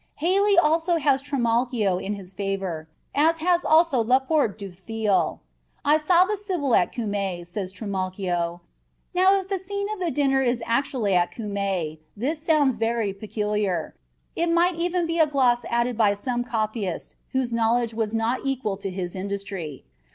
Haley also has Trimalchio in his favor, as has also La Porte du Theil. "I saw the Sibyl at Cumae," says Trimalchio. Now if the scene of the dinner is actually at Cumae this sounds very peculiar; it might even be a gloss added by some copyist whose knowledge was not equal to his industry.